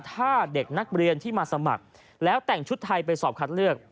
ถ้าเด็กนักเรียนที่มาสมัครแล้วแต่งชุดไทยไปสอบคัดเลือก